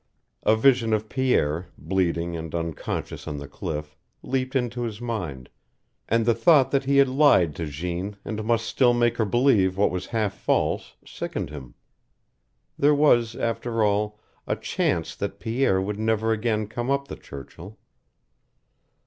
A vision of Pierre, bleeding and unconscious on the cliff, leaped into his mind, and the thought that he had lied to Jeanne and must still make her believe what was half false sickened him. There was, after all, a chance that Pierre would never again come up the Churchill.